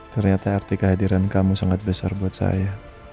ternyata arti kehadiran kamu sangat besar buat saya